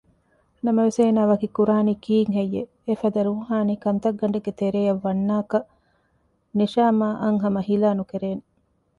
ނަމަވެސް އޭނާ ވަކި ކުރާނީ ކީއްހެއްޔެވެ؟ އެފަދަ ރޫހާނީ ކަންތައްގަނޑެއްގެ ތެރެއަށް ވަންނާކަށް ނިޝާމާއަށް ހަމަ ހިލާ ނުކެރޭނެ